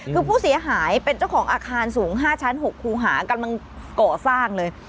คือผู้เสียหายเป็นเจ้าของอาคารสูง๕ชั้น๖คูหากำลังก่อสร้างเลย